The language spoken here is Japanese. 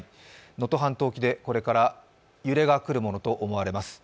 能登半島沖で、これから揺れが来るものと思われます。